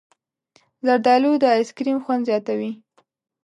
زردالو د ایسکریم خوند زیاتوي.